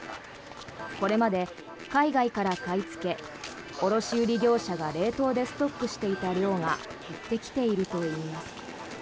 これまで、海外から買いつけ卸売業者が冷凍でストックしていた量が減ってきているといいます。